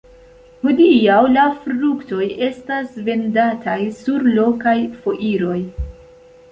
Hodiaŭ la fruktoj estas vendataj sur lokaj foiroj.